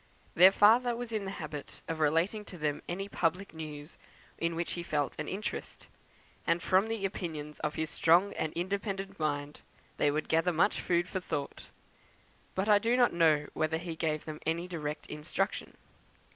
Their father was in the habit of relating to them any public news in which he felt an interest; and from the opinions of his strong and independent mind they would gather much food for thought; but I do not know whether he gave them any direct instruction.